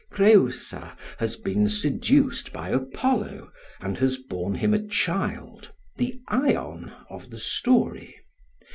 Creusa has been seduced by Apollo and has borne him a child, the Ion of the story.